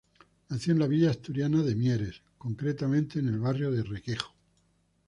Nació en la villa asturiana de Mieres, concretamente, en el barrio de Requejo.